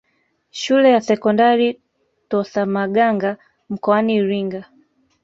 Shule ya sekondari ya Tosamaganga mkoani Iringa